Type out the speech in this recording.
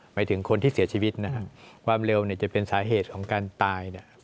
หมายถึงคนที่เสียชีวิตนะครับความเร็วเนี่ยจะเป็นสาเหตุของการตายเนี่ย